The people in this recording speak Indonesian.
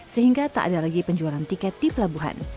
sehingga tak ada lagi penjualan tiket di pelabuhan